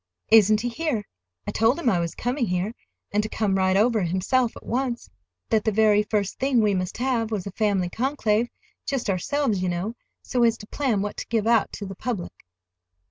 "Isn't he here? I told him I was coming here, and to come right over himself at once; that the very first thing we must have was a family conclave, just ourselves, you know, so as to plan what to give out to the public."